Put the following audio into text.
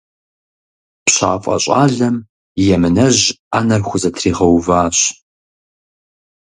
ПщафӀэ щӀалэм емынэжь Ӏэнэр хузэтригъэуващ.